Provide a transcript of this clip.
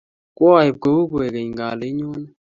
Kwaib kou kwekeny ale inyone